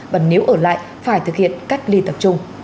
và nếu ở lại phải thực hiện cách ly tập trung